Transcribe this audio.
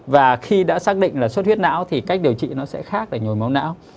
và khi đã xác định là suất huyết não thì cách điều trị nó sẽ khác để nhồi máu não